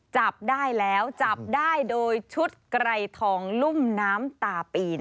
จับได้แล้วจับได้โดยชุดไกรทองลุ่มน้ำตาปี